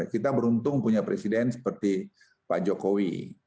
kita beruntung punya presiden seperti pak jokowi